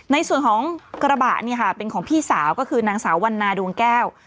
ในส่วนของกระบะเนี่ยค่ะเป็นของพี่สาวก็คือนางสาววันนาดวงแก้ว